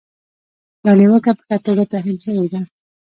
دا نیوکه په ښه توګه تحلیل شوې ده.